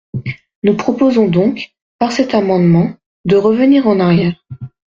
Nous proposons donc, par cet amendement, de revenir en arrière.